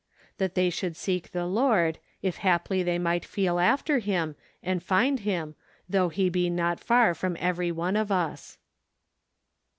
" That they should seek the Lord , if haply they might feel after Him, and find Him , though He he not far from every one of as."